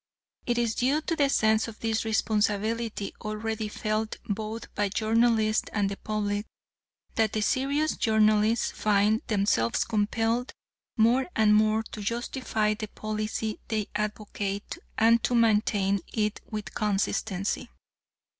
It is due to the sense of this responsibility already felt both by journalists and the public, that the serious journalists find themselves compelled more and more to justify the policy they advocate, and to maintain it with consistency.